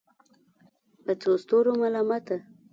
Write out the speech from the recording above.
په څو ستورو ملامته